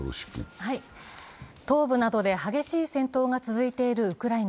東部などで激しい戦闘が続いているウクライナ。